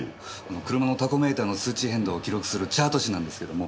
車のタコメーターの数値変動を記録するチャート紙なんですけども。